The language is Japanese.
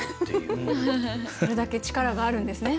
それだけ力があるんですね